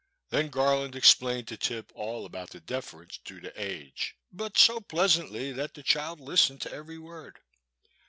Then Garland explained to Tip all about the deference due to age, but so pleasantly that the child listened to every word.